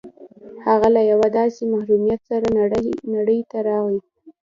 هغه له یوه داسې محرومیت سره نړۍ ته راغی